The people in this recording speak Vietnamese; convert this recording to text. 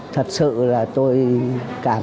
thật sự là tôi cảm